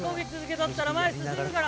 とったら、前進むから。